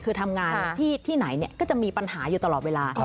คือทำงานที่ไหนก็จะมีปัญหาอยู่ตลอดเวลา